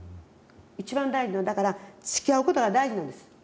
一番大事なのはだからつきあうことが大事なんです。